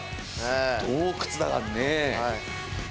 洞窟だからね。